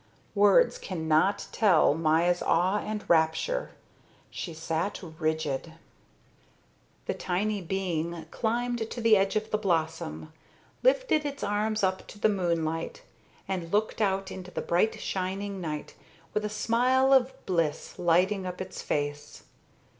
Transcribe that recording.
Words cannot tell Maya's awe and rapture. She sat rigid. The tiny being climbed to the edge of the blossom, lifted its arms up to the moonlight, and looked out into the bright shining night with a smile of bliss lighting up its face.